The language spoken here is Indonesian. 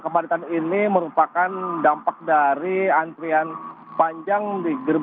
pagi ini terpantau ramai lancar